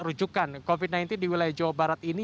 rujukan covid sembilan belas di wilayah jawa barat ini